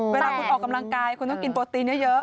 เวลาคุณออกกำลังกายคุณต้องกินโปรตีนเยอะ